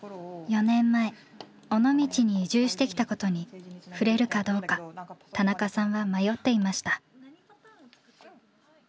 ４年前尾道に移住してきたことに触れるかどうか田中さんは迷っていました。